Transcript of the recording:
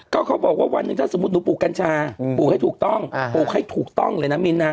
ก็เขาบอกว่าวันหนึ่งถ้าสมมุติหนูปลูกกัญชาปลูกให้ถูกต้องปลูกให้ถูกต้องเลยนะมิ้นนะ